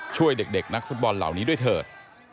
ช่วยเด็กนักฟุตบอลเหล่านี้ด้วยเถิด